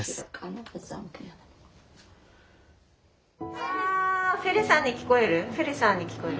あフェレさんに聞こえる？